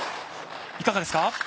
いかかがですか。